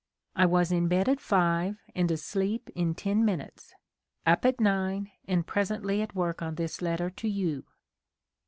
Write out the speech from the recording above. I was in bed at 5 and asleep in ten minutes. Up at 9 and presently at work on this letter to you."